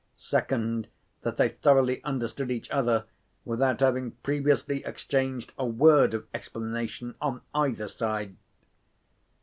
Second, that they thoroughly understood each other, without having previously exchanged a word of explanation on either side.